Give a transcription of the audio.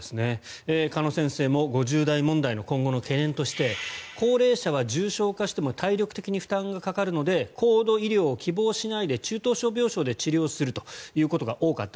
鹿野先生も５０代問題の今後の懸念として高齢者は重症化しても体力的に負担がかかるので高度医療を希望しないで中等症病床で治療することが多かった。